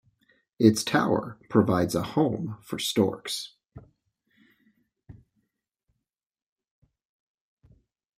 Its tower provides a home for storks.